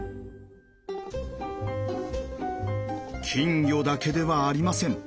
金魚だけではありません。